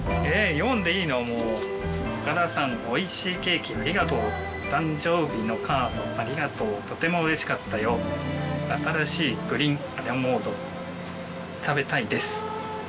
読んでいいのもう「岡田さんおいしいケーキありがとう誕生日のカードありがとうとてもうれしかったよ新しいプリンアラモード食べたいです